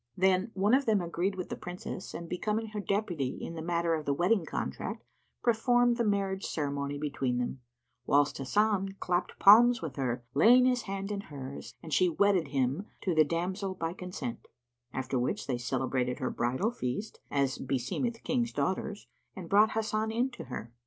Then one of them agreed with the Princess and becoming her deputy in the matter of the wedding contract, performed the marriage ceremony between them, whilst Hasan clapped palms with her, laying his hand in hers, and she wedded him to the damsel by consent; after which they celebrated her bridal feast, as beseemeth Kings' daughters, and brought Hasan in to her.